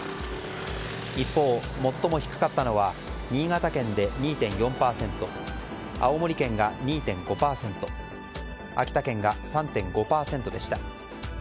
一方、最も低かったのは新潟県で２．４％青森県が２．５％秋田県が３．５％でした。